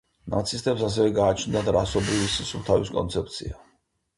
ნაცისტებს ასევე გააჩნდათ „რასობრივი სისუფთავის“ კონცეფცია.